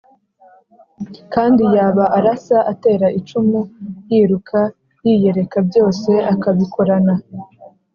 kandi yaba arasa, atera icumu, yiruka, yiyereka, byose akabikorana